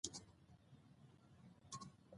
ازادي راډیو د ټولنیز بدلون ستر اهميت تشریح کړی.